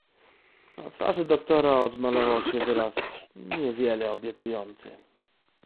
"Na twarzy doktora odmalował się wyraz niewiele obiecujący."